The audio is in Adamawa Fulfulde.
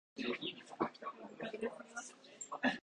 Lamɗo Atiiku fuu wii yiɗaa. a faami.